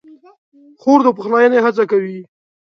خور د پخلاینې هڅه کوي.